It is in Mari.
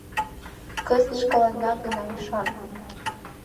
— Кызыт шкаланна гына ӱшан!